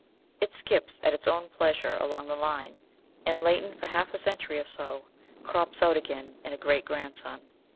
It skips at its own pleasure along the line, and, latent for half a century or so, crops out again in a great grandson.